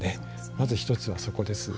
まず１つは、そこです。